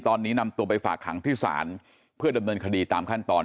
ตอนนี้นำตัวไปฝากขังที่ศาลเพื่อดำเนินคดีตามขั้นตอน